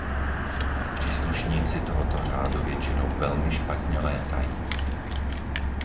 Příslušníci tohoto řádu většinou velmi špatně létají.